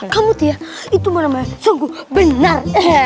kamu tuh ya itu menemani sungguh benar